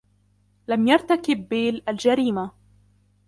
لم يرتكب بيل الجريمة.